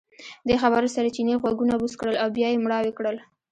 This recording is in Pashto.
دې خبرو سره چیني غوږونه بوڅ کړل او بیا یې مړاوي کړل.